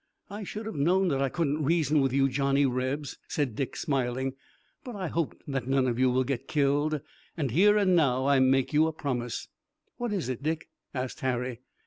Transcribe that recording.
"I should have known that I couldn't reason with you Johnny Rebs," said Dick, smiling, "but I hope that none of you will get killed, and here and now I make you a promise." "What is it, Dick?" asked Harry.